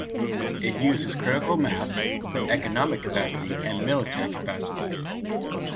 It uses critical mass, economic capacity and military capacity.